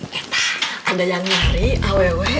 ada yang nyari aww